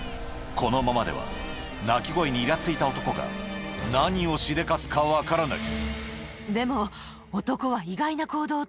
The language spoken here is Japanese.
このままでは泣き声にイラついた男が何をしでかすか分からない